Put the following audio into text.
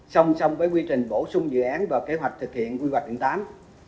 song song với quy trình bổ sung dự án và kế hoạch thực hiện quy hoạch điện tám